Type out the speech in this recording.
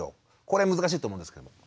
これ難しいと思うんですけども。